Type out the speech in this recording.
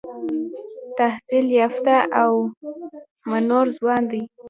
تحصیل یافته او منور ځوان دی.